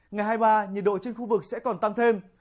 ngày hai mươi ba nhiệt độ trên khu vực sẽ còn tăng thêm